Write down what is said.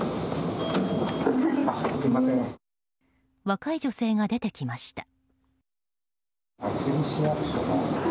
若い女性が出てきました。